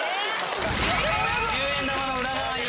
１０円玉の裏側に。